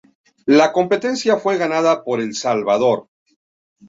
La competencia fue ganada por El Salvador.